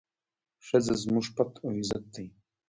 ښځه زموږ پت او عزت دی.